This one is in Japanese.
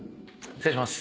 失礼します。